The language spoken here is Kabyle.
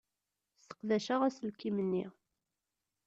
Sseqdaceɣ aselkim-nni.